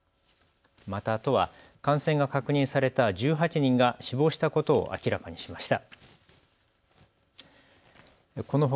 また都は感染が確認された１８人が死亡したことを明らかにしました。